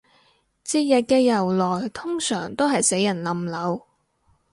節日嘅由來通常都係死人冧樓